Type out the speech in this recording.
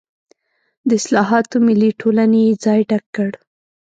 د اصلاحاتو ملي ټولنې یې ځای ډک کړ.